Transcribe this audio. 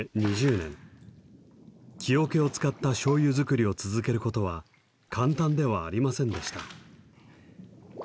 木桶を使った醤油造りを続けることは簡単ではありませんでした。